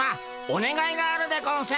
おねがいがあるでゴンス。